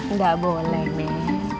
nggak boleh nek